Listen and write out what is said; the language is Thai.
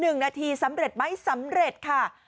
หนึ่งนาทีสำเร็จไหมสำเร็จค่ะ